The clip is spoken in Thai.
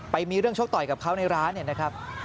ไปมีเรื่องชกต่อยกับเขาในร้านเนี่ยนะครับ